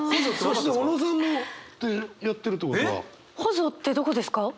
臍ってどこですか？